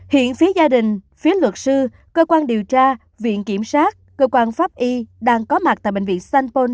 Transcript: hiện phía gia đình phía luật sư cơ quan điều tra viện kiểm sát cơ quan pháp y đang có mặt tại bệnh viện sanh pôn